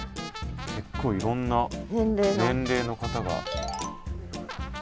結構いろんな年齢の方が。